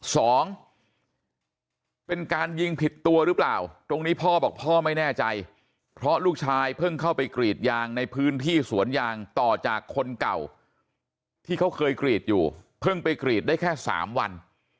สองเป็นการยิงผิดตัวหรือเปล่าตรงนี้พ่อบอกพ่อไม่แน่ใจเพราะลูกชายเพิ่งเข้าไปกรีดยางในพื้นที่สวนยางต่อจากคนเก่าที่เขาเคยกรีดอยู่เพิ่งไปกรีดได้แค่สามวัน